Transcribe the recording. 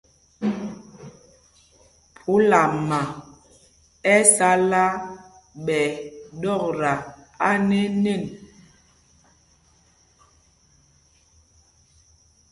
Phúlama ɛ́ sálá ɓɛ̌ ɗɔkta anēnēn.